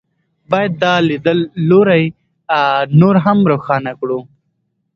باید دا لیدلوری نور هم روښانه کړو.